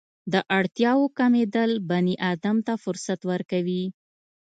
د اړتیاوو کمېدل بني ادم ته فرصت ورکوي.